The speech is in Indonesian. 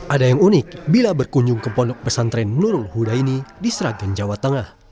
ada yang unik bila berkunjung ke pondok pesantren nurul huda ini di sragen jawa tengah